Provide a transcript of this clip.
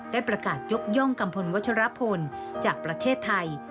ได้ประกาศยกย่องกัมพลวัชรพลจากประเทศไทย